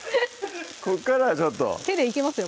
ここからはちょっと手でいけますよ